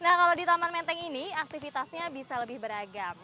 nah kalau di taman menteng ini aktivitasnya bisa lebih beragam